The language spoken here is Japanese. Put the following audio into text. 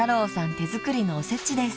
手作りのおせちです］